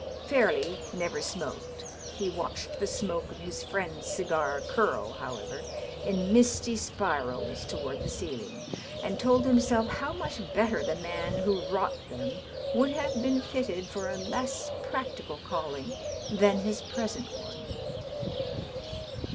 Fairleigh never smoked. He watched the smoke of his friend's cigar curl, however, in misty spirals toward the ceiling, and told himself how much better the man who wrought them would have been fitted for a less practical calb'ng than his present one.